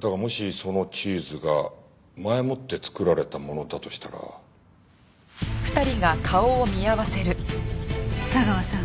だがもしそのチーズが前もって作られたものだとしたら。佐川さん。